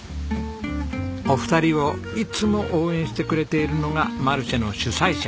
お二人をいつも応援してくれているのがマルシェの主催者